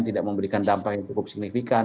tidak memberikan dampak yang cukup signifikan